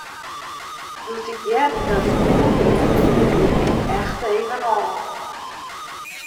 Doe't ik hearde dat ik wûn hie, wie ik der echt even ôf.